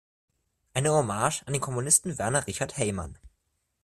Eine Hommage an den Komponisten Werner Richard Heymann“.